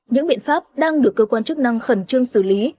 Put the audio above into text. những biện pháp đang được cơ quan chức năng khẩn trương xử lý